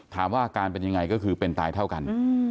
อาการเป็นยังไงก็คือเป็นตายเท่ากัน